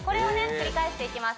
繰り返していきます